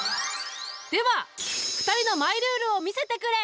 では２人のマイルールを見せてくれ。